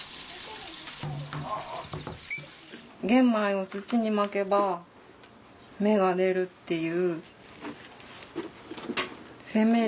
玄米を土にまけば芽が出るっていう。